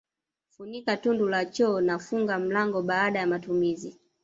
Funika tundu la choo na funga mlango baada ya matumizi